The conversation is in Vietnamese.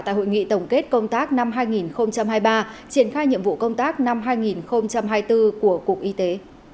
tại hội nghị tổng kết công tác năm hai nghìn hai mươi ba triển khai nhiệm vụ công tác năm hai nghìn hai mươi bốn của cục y tế